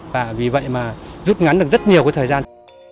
và vì vậy mà rút ngắn được rất nhiều cái thời gian